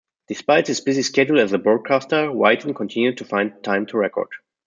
Despite his busy schedule as a broadcaster, Whyton continued to find time to record.